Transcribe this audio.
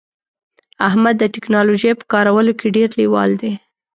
احمد د ټکنالوژی په کارولو کې ډیر لیوال دی